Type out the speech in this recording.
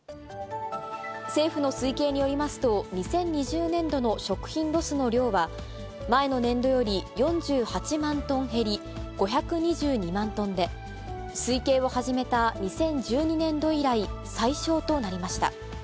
政府の推計によりますと、２０２０年度の食品ロスの量は、前の年度より４８万トン減り、５２２万トンで、推計を始めた２０１２年度以来、最少となりました。